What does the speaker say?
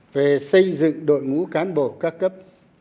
về xây dựng đội ngũ cán bộ các cấp